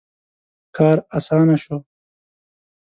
• کار آسانه شو.